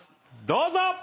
どうぞ！